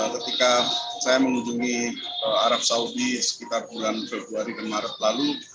ketika saya mengunjungi arab saudi sekitar bulan februari dan maret lalu